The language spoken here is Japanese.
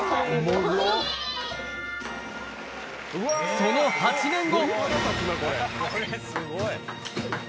その８年後。